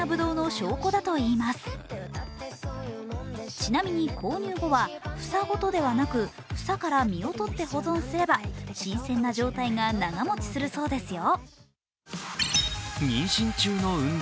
ちなみに、購入後は房ごとではなく房から実をとって保存すれば新鮮な状態が長持ちするそうですよ